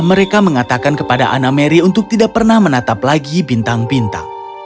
mereka mengatakan kepada anna mary untuk tidak pernah menatap lagi bintang bintang